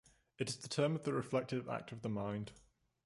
It is the term of the reflective act of the mind.